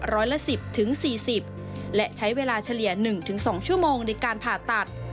ร้อยละ๑๐๔๐และใช้เวลาเฉลี่ย๑๒ชั่วโมงในการผ่าตัด